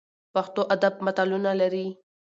پښتو ادب متلونه لري